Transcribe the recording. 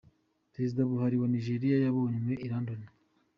Perezida Buhari wa Nigeria yabonywe i London.